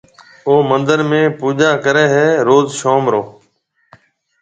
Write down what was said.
او مندر ۾ پُجا ڪريَ هيَ روز شوم رو۔